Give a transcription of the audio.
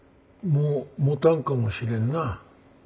「もうもたんかもしれんな。